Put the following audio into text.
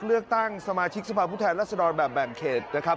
เลือกตั้งสมาชิกสภาพพุทธแทนลักษณะวันแบบแบ่งเขตนะครับ